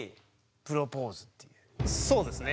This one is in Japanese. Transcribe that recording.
そうですね。